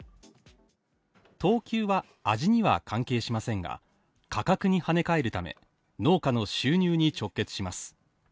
等級は味には関係しませんが、価格に跳ね返るため農家の収入に直結します。